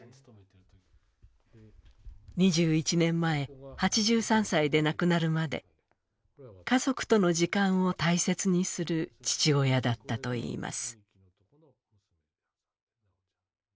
２１年前、８３歳で亡くなるまで家族との時間を大切にする父親だったといいます。